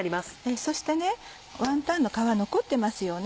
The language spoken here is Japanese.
そしてワンタンの皮残ってますよね。